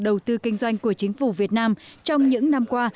đầu tư kinh doanh của chính phủ việt nam trong những năm qua